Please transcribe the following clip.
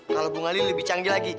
kalau bunga lili lebih canggih lagi